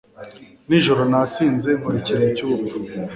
Nijoro nasinze nkora ikintu cyubupfu